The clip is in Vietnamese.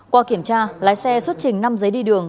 qua kiểm tra lái xe xuất trình năm giấy đi đường